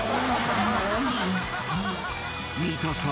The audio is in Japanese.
［三田さん。